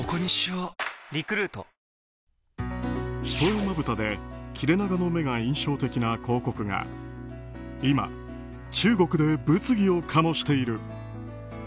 一重まぶたで切れ長の目が印象的な広告が今、中国で物議を醸している。